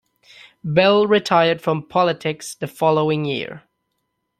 Bell retired from politics the following year.